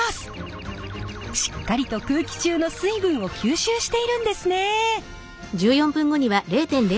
しっかりと空気中の水分を吸収しているんですね。